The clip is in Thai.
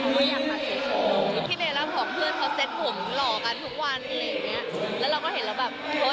เห้ยอยากตัดอยากตัดซ้อมพวกพี่เขา